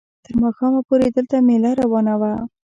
تر ماښامه پورې دلته مېله روانه وه.